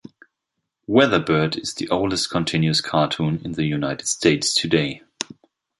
"Weatherbird" is the oldest continuous cartoon in the United States today.